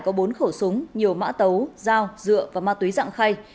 có bốn khẩu súng nhiều mã tấu dao dựa và ma túy dạng khay